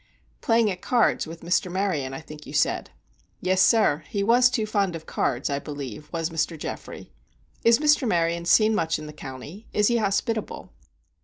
"Playing at cards with Mr. Maryon, I think you said." "Yes, sir; he was too fond of cards, I believe, was Mr. Geoffrey." "Is Mr. Maryon seen much in the county—is he hospitable?"